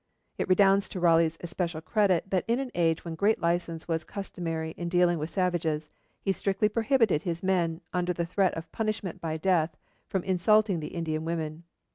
It redounds to Raleigh's especial credit that in an age when great license was customary in dealing with savages, he strictly prohibited his men, under threat of punishment by death, from insulting the Indian women.